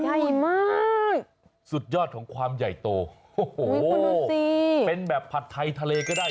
ใหญ่มากสุดยอดของความใหญ่โตโอ้โหเป็นแบบผัดไทยทะเลก็ได้